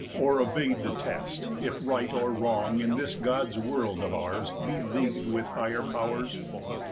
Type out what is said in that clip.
Or evade the test If right or wrong in this God's world of ours Be leagued with higher powers?